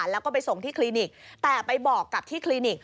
แล้วก็ไปส่งที่คลินิกแต่ไปบอกกับที่คลินิก